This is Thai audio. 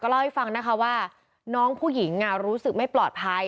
เล่าให้ฟังนะคะว่าน้องผู้หญิงรู้สึกไม่ปลอดภัย